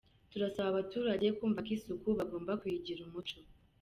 Turasaba abaturage kumva ko isuku bagomba kuyigira umuco.